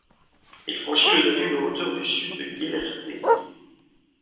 Il franchit le Danube à hauteur du sud du Gellérthegy.